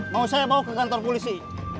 mau saya bawa ke kantor polisi